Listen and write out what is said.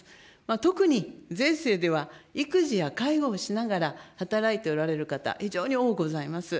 特に税制では、育児や介護をしながら働いておられる方、非常におおございます。